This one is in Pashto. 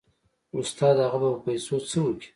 استاده هغه به په پيسو څه وكي.